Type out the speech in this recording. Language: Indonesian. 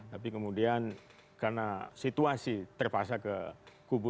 tapi kemudian karena situasi terpaksa ke kubu dua